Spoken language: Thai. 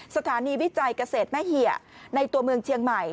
สถานีวิจัยเกษตรแม่เหี่ยในตัวเมืองเชียงใหม่